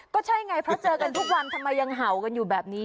ก็ใช่ไงเพราะเจอกันทุกวันทำไมยังเห่ากันอยู่แบบนี้